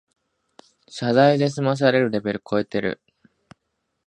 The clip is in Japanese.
謝罪で済まされるレベルこえてる